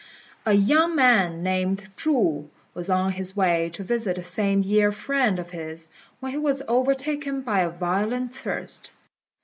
A young man named Chu was on his way to visit a same year friend of his, when he was overtaken by a violent thirst.